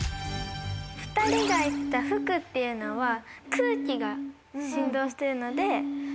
２人が言った「吹く」っていうのは空気が振動してるので。